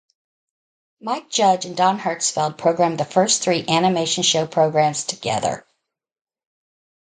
Mike Judge and Don Hertzfeldt programmed the first three "Animation Show" programs together.